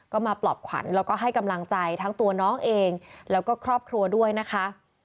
ก็มาปลอบขวัญแล้วก็ให้กำลังใจทั้งตัวน้องเองแล้วก็ครอบครัวด้วยนะคะ